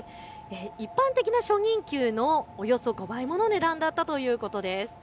一般的な初任給のおよそ５倍の値段だったということです。